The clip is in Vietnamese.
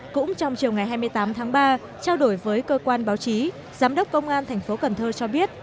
cũng trong chiều ngày hai mươi tám tháng ba trao đổi với cơ quan báo chí giám đốc công an tp cn cho biết